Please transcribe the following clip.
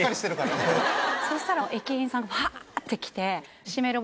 そしたら駅員さんがわぁ！って来て。